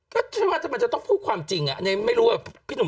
ก็ฉันว่าทำไมจะต้องพูดความจริงอันนี้ไม่รู้ว่าพี่หนุ่ม